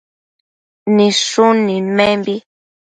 Nidshun nidmenbi